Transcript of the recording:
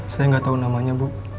saya gak tau namanya bu